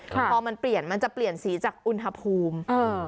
พอมันเปลี่ยนมันจะเปลี่ยนสีจากอุณหภูมิ